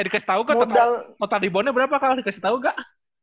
eh dikasih tau kok total reboundnya berapa kalau dikasih tau enggak